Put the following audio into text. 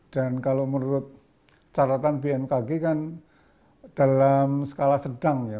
dan kalau menurut catatan bnkg kan dalam skala sedang ya